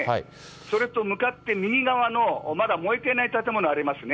それと向かって右側の、まだ燃えていない建物ありますね。